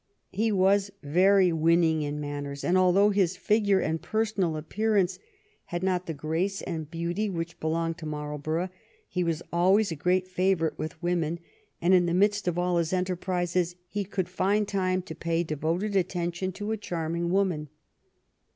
He was very winning in manners, and, although his figure and personal ap pearance had not the grace and beauty which belonged to Marlborough, he was always a great favorite with women, and in the midst of all his enterprises he could find time to pay devoted attention to a charming woman.